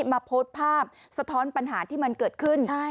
มาโพสต์ภาพสะท้อนปัญหาที่มันเกิดขึ้น